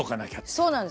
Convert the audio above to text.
そうなんです。